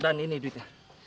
dan ini duitnya